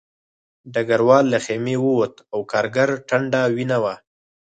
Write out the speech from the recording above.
ډګروال له خیمې ووت او د کارګر ټنډه وینه وه